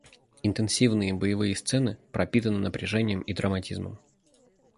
Интенсивные боевые сцены пропитаны напряжением и драматизмом.